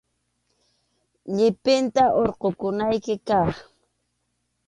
Llipinta hurqukunayki kaq.